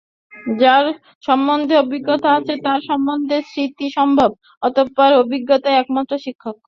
যার সম্বন্ধে অভিজ্ঞতা আছে, তার সম্বন্ধেই স্মৃতি সম্ভব, অতএব অভিজ্ঞতাই একমাত্র শিক্ষক।